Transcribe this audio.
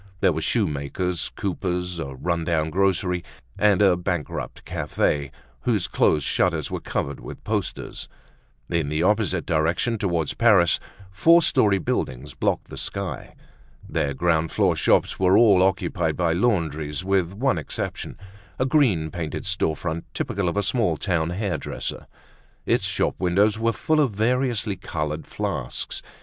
There were shoemakers, coopers, a run down grocery, and a bankrupt cafe whose closed shutters were covered with posters. In the opposite direction, toward Paris, four story buildings blocked the sky. Their ground floor shops were all occupied by laundries with one exception—a green painted store front typical of a small town hair dresser. Its shop windows were full of variously colored flasks.